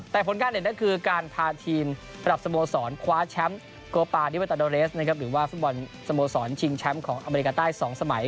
แต่ผลการณ์เด็ดนั้นคือการพาทีมสมสรรคว้าแชมป์โกปาดิวเตอร์เดอร์เลสหรือว่าสมสรรค์ชิงแชมป์ของอเมริกาใต้สองสมัย